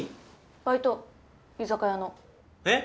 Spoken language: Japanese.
バイト居酒屋のえっ？